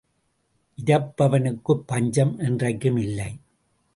இரப்பவனுக்குப் பஞ்சம் என்றைக்கும் இல்லை.